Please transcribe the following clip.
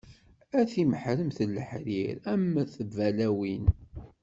A timeḥremt n leḥrir, a mm tballawin.